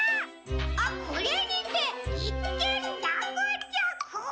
「あっこれにていっけんらくちゃく！」。